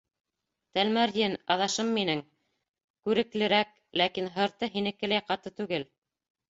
— Тәлмәрйен, аҙашым минең, күреклерәк, ләкин һырты һинекеләй ҡаты түгел.